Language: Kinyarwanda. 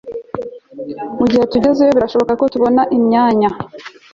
mugihe tugezeyo, birashoboka cyane ko tubona imyanya